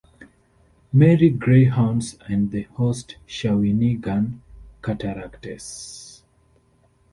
Marie Greyhounds, and the host Shawinigan Cataractes.